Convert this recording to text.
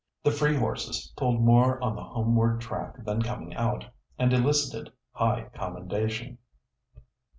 The free horses pulled more on the homeward track than coming out, and elicited high commendation.